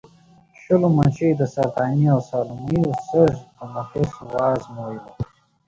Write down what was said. شلو مچیو د سرطاني او سالمو سږو تنفس وازمویلو.